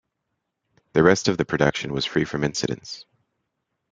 The rest of the production was free from incidents.